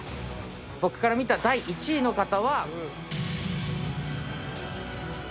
僕から見た第１位の方は。